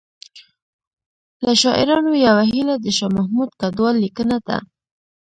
له شاعرانو یوه هیله د شاه محمود کډوال لیکنه ده